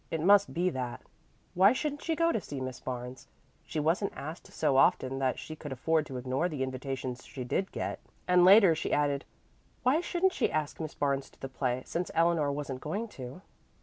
It must be that. Why shouldn't she go to see Miss Barnes? She wasn't asked so often that she could afford to ignore the invitations she did get. And later she added, Why shouldn't she ask Miss Barnes to the play, since Eleanor wasn't going to?